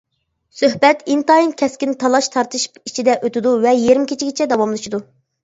سۆھبەت ئىنتايىن كەسكىن تالاش-تارتىش ئىچىدە ئۆتىدۇ ۋە يېرىم كېچىگىچە داۋاملىشىدۇ.